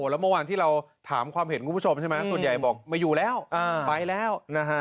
แล้วเมื่อวานที่เราถามความเห็นคุณผู้ชมใช่ไหมส่วนใหญ่บอกไม่อยู่แล้วไปแล้วนะฮะ